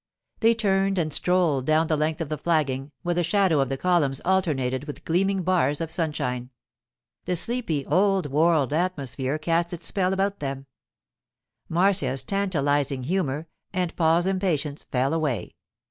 They turned and strolled down the length of the flagging, where the shadow of the columns alternated with gleaming bars of sunshine. The sleepy, old world atmosphere cast its spell about them; Marcia's tantalizing humour and Paul's impatience fell away.